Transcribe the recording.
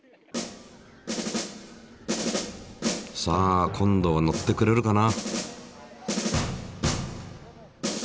さあ今度は乗ってくれるかな？